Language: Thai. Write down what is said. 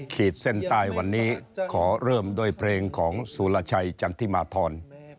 ขีดเส้นใต้วันนี้ขอเริ่มด้วยเพลงของสุรชัยจันทิมาธร